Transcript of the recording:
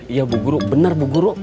iya bu guru bener bu guru